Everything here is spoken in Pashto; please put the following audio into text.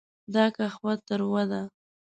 دا قهوه تروه ده.